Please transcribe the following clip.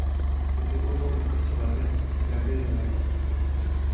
C’était autant de pris sur la baie, mais la baie est vaste.